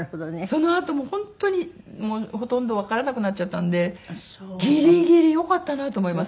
そのあとも本当にもうほとんどわからなくなっちゃったんでギリギリよかったなと思います。